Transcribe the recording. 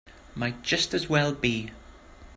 Might just as well be.